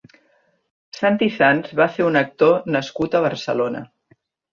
Santi Sans va ser un actor nascut a Barcelona.